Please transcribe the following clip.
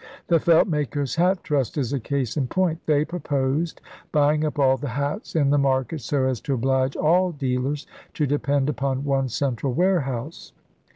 The Feltmakers' Hat Trust is a case in point. They proposed buying up all the hats in the market so as to oblige all dealers to depend upon one central warehouse.